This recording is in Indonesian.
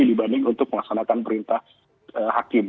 dibanding untuk melaksanakan perintah hakim